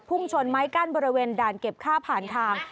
ชนไม้กั้นบริเวณด่านเก็บค่าผ่านทาง